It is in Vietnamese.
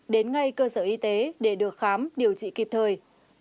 đến ngay cơ sở y tế để được khám điều trị kịp thời